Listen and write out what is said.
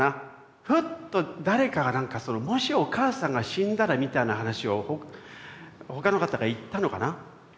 フッと誰かがなんか「もしお母さんが死んだら」みたいな話を他の方が言ったのかな？